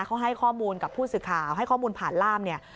เขาให้ข้อมูลกับผู้สื่อข่าวให้ข้อมูลผ่านล่ามเนี่ย